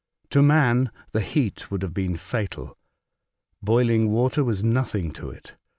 To man, the heat would have been fatal. Boiling water was nothing to it.